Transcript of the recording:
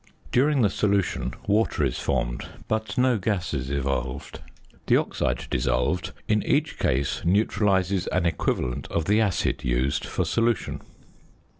During the solution, water is formed, but no gas is evolved. The oxide dissolved in each case neutralizes an equivalent of the acid used for solution.